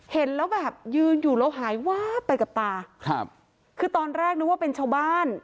เห็นแล้วแบบยืนอยู่แล้วหายวาบไปกับตาครับคือตอนแรกนึกว่าเป็นชาวบ้าน